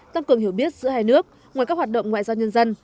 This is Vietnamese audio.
tăng cường hiểu biết giữa hai nước ngoài các hoạt động ngoại giao nhân dân